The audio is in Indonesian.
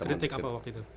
kritik apa waktu itu